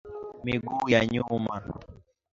miguu ya nyuma